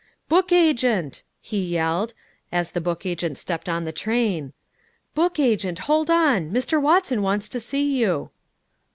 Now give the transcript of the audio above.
"Book agent!" he yelled, as the book agent stepped on the train. "Book agent, hold on! Mr. Watson wants to see you."